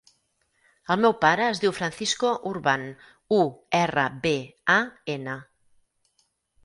El meu pare es diu Francisco Urban: u, erra, be, a, ena.